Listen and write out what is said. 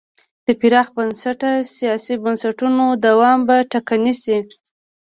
د پراخ بنسټه سیاسي بنسټونو دوام به ټکنی شي.